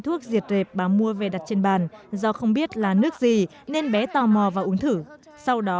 thuốc diệt rệt bà mua về đặt trên bàn do không biết là nước gì nên bé tò mò và uống thử sau đó